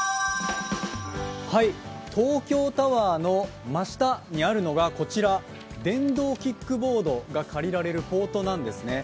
東京タワーの真下にあるのが電動キックボードが借りられるポートなんですね。